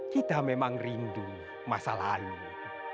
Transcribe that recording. kita memang rindu masa lalu